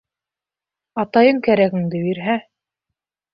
— Атайың кәрәгеңде бирһә?